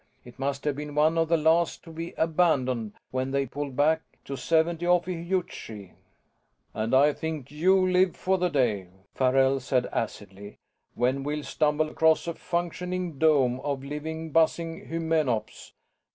It must have been one of the last to be abandoned when they pulled back to 70 Ophiuchi." "And I think you live for the day," Farrell said acidly, "when we'll stumble across a functioning dome of live, buzzing Hymenops.